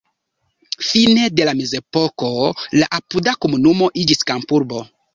Fine de la mezepoko la apuda komunumo iĝis kampurbo.